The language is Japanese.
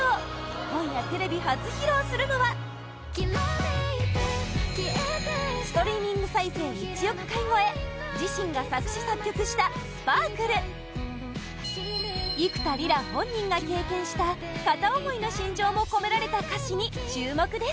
今夜テレビ初披露するのはストリーミング再生１億回超え自身が作詞・作曲した「スパークル」幾田りら本人が経験した片思いの心情も込められた歌詞に注目です！